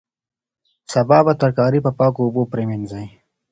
سابه او ترکاري په پاکو اوبو پریمنځئ.